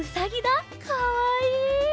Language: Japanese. かわいい！